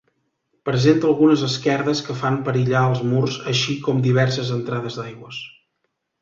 Presenta algunes esquerdes que fan perillar els murs així com diverses entrades d'aigües.